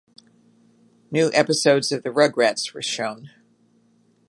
New episodes of the "Rugrats" were shown.